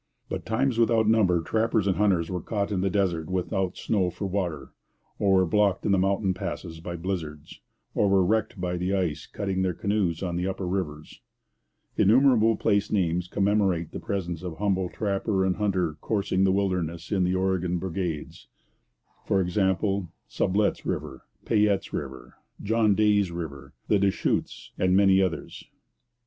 But times without number trappers and hunters were caught in the desert without snow for water; or were blocked in the mountain passes by blizzards; or were wrecked by the ice cutting their canoes on the upper rivers. Innumerable place names commemorate the presence of humble trapper and hunter coursing the wilderness in the Oregon brigades. For example: Sublette's River, Payette's River, John Day's River, the Des Chutes, and many others.